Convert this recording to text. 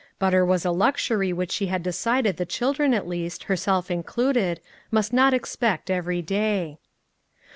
Butter was a luxury which she had decided the children at least, herself included, must not ex pect every day.